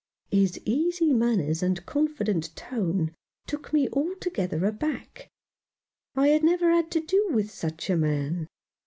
His easy manners and confident tone took me 177 N Rough Justice. altogether aback. I had never had to do with such a man.